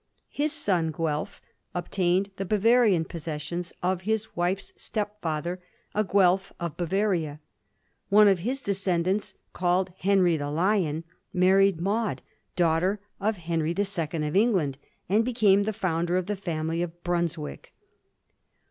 His son Guelf obtained the Bavarian possessions of his wife's step&ther, a Guelf of Bavaria. One of his descendants, called Henry the Lion, married Maud, daughter of Henry the Digiti zed by Google 1714 THE HOUSE OF BRUNSWICK. 7 Second of England, and became the founder of the family of Brunswick.